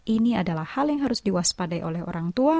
ini adalah hal yang harus diwaspadai oleh orang tua